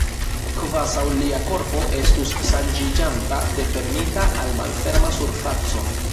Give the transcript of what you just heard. Kvazaŭ lia korpo estus ŝanĝiĝanta de fermita al malferma surfaco.